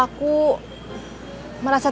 aku harus berusaha